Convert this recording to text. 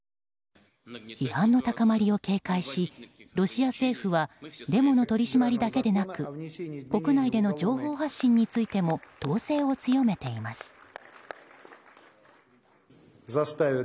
批判の高まりを警戒しロシア政府はデモの取り締まりだけでなく国内での情報発信についても統制を強めています。